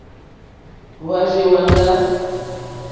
Hwá rzì hwáŋɡá.